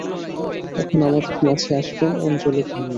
এখন আমাদের মাঝে আসবে অঞ্জলি খান্না।